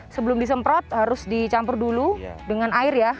sebelum disemprot harus dicampur dulu dengan air ya